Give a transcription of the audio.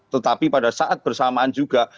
tetapi pada saat bersamaan juga